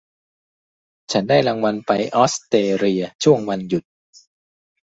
ฉันได้รางวัลไปออสเตรเลียช่วงวันหยุด